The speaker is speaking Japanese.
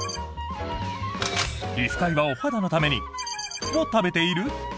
皮膚科医は、お肌のために○○を食べている！？